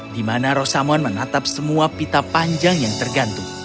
di mana rosamon menatap semua pita panjang yang tergantung